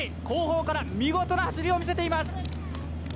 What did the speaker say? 後方から見事な走りを見せています。